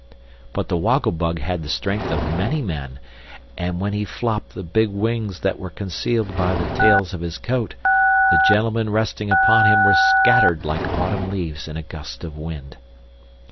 But the Woggle Bug had the strength of many men, and when he flopped the big wings that were concealed by the tails of his coat, the gentlemen resting upon him were scattered like autumn leaves in a gust of wind.